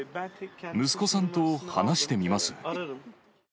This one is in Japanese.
息子さんと話してみます。